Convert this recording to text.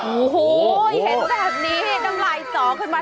โอ้โหเห็นแบบนี้น้ำลายสอขึ้นมา